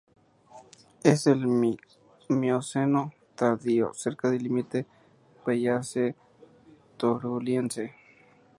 Es del Mioceno Tardío, cerca del límite Vallesiense-Turoliense.